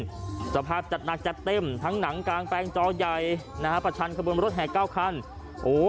ที่อำเภอชุมพลบุรีจังหวัดสุรินทร์สภาพจัดนักจัดเต็มทั้งหนังกลางแปลงจอใหญ่นะฮะประชันขบรมรถแห่เก้าคันโอ้โห